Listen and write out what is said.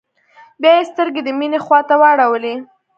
بيا يې سترګې د مينې خواته واړولې.